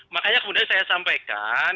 makanya kemudian saya sampaikan